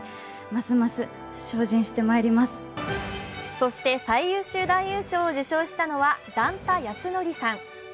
そして最優秀男優賞を受賞したのは段田安則さん。